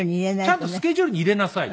ちゃんとスケジュールに入れなさいと。